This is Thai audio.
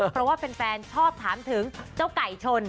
เพราะว่าแฟนชอบถามถึงเจ้าไก่ชน